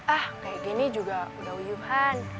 ah kayak gini juga udah wuhan